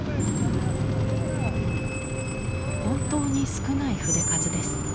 本当に少ない筆数です。